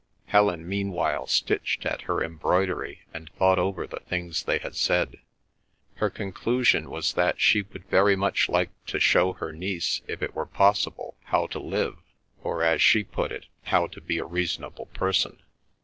Helen meanwhile stitched at her embroidery and thought over the things they had said. Her conclusion was that she would very much like to show her niece, if it were possible, how to live, or as she put it, how to be a reasonable person.